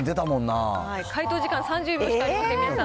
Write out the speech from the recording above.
解答時間３０秒しかありません。